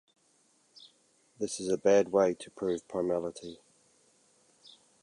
This is a bad way to prove primality.